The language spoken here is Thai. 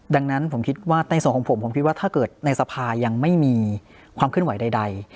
ดังนั้นผมคิดว่าในส่วนของผมผมคิดว่าถ้าเกิดในสภายังไม่มีความเคลื่อนไหวใด